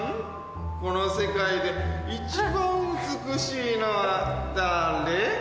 この世界で一番美しいのはだれ？